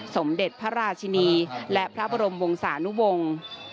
สมเด็จพระราชินีและพระบรมวงศานุวงศ์